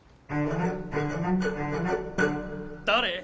誰！？